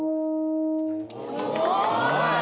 すごーい！